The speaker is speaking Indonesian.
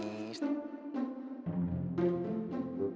baiknya si kinaka pang murahkan